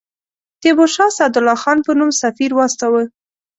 تیمورشاه سعدالله خان په نوم سفیر واستاوه.